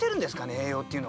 栄養っていうのが。